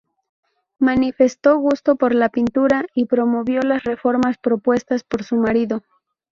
Manifestó gusto por la pintura y promovió las reformas propuestas por su marido.